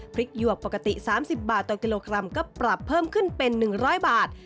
พริกหยวกปกติสามสิบบาทต่อกิโลกรัมก็ปรับเพิ่มขึ้นเป็นหนึ่งร้อยบาท